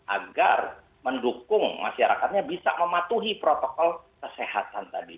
agar mendukung masyarakatnya bisa mematuhi protokol kesehatan tadi